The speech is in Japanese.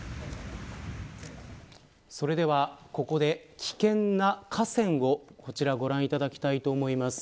それでは、ここで危険な河川をご覧いただきたいと思います。